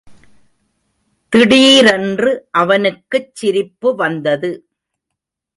திடீரென்று அவனுக்குச் சிரிப்பு வந்தது.